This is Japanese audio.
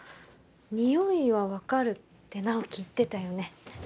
ニオイは分かるって直木言ってたよね